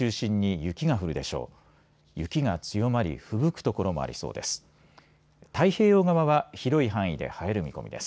雪が強まりふぶく所もありそうです。